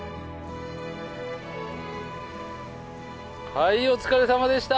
はいお疲れさまでした。